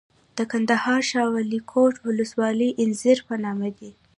د کندهار شاولیکوټ ولسوالۍ انځر په نام دي.